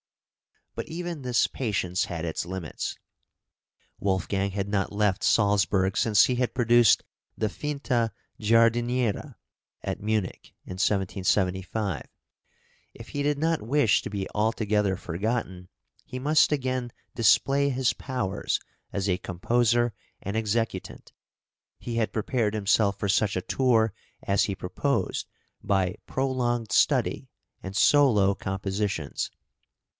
But even this patience had its limits. Wolfgang had not left Salzburg since he had produced the "Finta Giardiniera" at Munich, in 1775; if he did not wish to be altogether forgotten, he must again display his powers as a composer and executant. He had prepared himself for such a tour as he proposed by prolonged study and solo compositions.